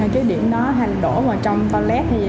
cái điểm đó hay là đổ vào trong toilet hay gì đó